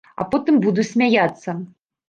А потым буду смяяцца.